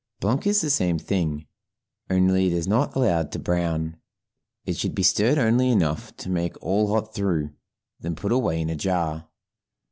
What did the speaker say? Blanc is the same thing, only it is not allowed to brown; it should be stirred only enough to make all hot through, then put away in a jar.